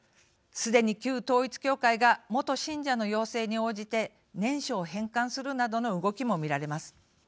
すでに、旧統一教会が元信者の要請に応じて念書を返還するなどの動きも見られます。